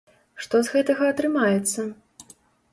Што з гэтага атрымаецца?